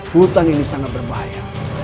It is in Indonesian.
hutan ini sangat berbahaya